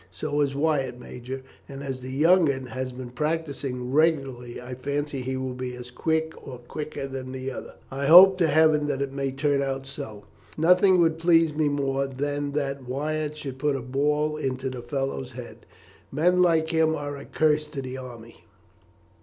"So is Wyatt, major, and as the young 'un has been practising regularly, I fancy he will be as quick or quicker than the other." "Well, I hope to heaven that it may turn out so. Nothing would please me more than that Wyatt should put a ball into the fellow's head. Men like him are a curse to the army."